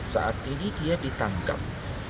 saat ini dia ditangkap